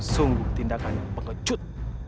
sungguh tindakannya pengecut